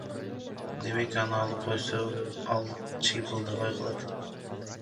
Демек аны алып койсо ал чыйпылдабай калат.